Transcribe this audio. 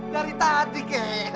dari tadi kak